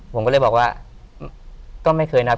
ผมก็เลยบอกว่าก็ไม่เคยนับ